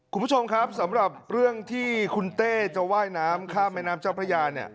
คุณผู้ชมครับสำหรับเรื่องที่คุณเต้จะว่ายน้ำข้ามแม่น้ำเจ้าพระยาเนี่ย